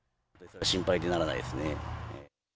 心配でならないですね。